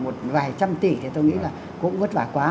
một vài trăm tỷ thì tôi nghĩ là cũng vất vả quá